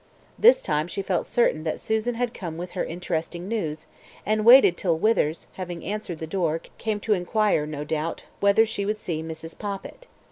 This time she felt certain that Susan had come with her interesting news, and waited till Withers, having answered the door, came to inquire, no doubt, whether she would see Mrs. Poppit.